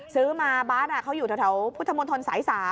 ซื้อมาบาทเขาอยู่แถวพุทธมนตรสาย๓